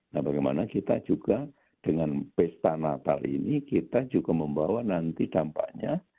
nah bagaimana kita juga dengan pesta natal ini kita juga membawa nanti dampaknya